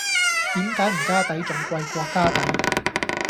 點解唔加底仲貴過加底?